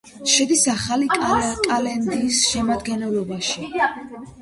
შედის ახალი კალედონიის შემადგენლობაში.